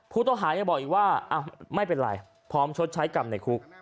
ผู้ต้องหายังบอกอีกว่าไม่เป็นไรพร้อมชดใช้กรรมในคุก